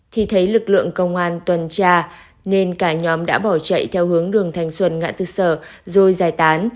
thì thấy lực lượng công an tuần tra nên cả nhóm đã bỏ chạy theo hướng đường thành xuân ngãn thức sở rồi giải tán